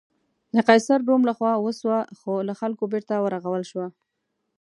د قیصر روم له خوا وسوه، خو له خلکو بېرته ورغول شوه.